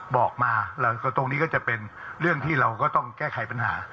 บอกมาตรงนี้ก็จะเป็นเรื่องที่เราก็ต้องแก้ไขปัญหา